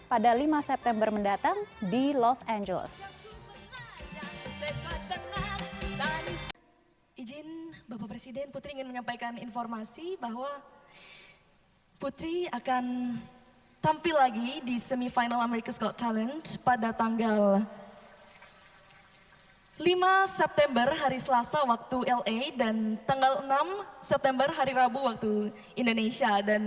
pada lima september mendatang di los angeles